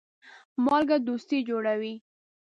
مالګه دوستي جوړوي.